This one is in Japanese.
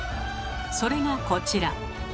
それがこちら。